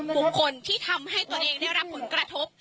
บุคคลที่ทำให้ตัวเองได้รับผลกระทบ